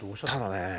ただね